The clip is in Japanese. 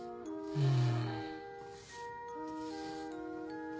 うん。